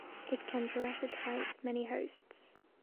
It can parasitize many hosts.